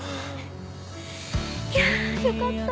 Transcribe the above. いやよかった。